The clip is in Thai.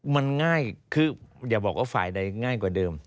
มันง่ายคืออย่าบอกว่าฝ่ายใดง่ายกว่าเดิม